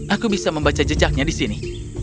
aku bisa membaca jejaknya di sini